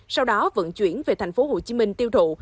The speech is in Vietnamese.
sau đó vận chuyển về thành phố hồ chí minh tiêu thụ